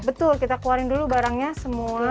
betul kita keluarin dulu barangnya semula